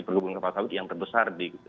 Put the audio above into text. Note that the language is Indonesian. perkebunan kelapa sawit yang terbesar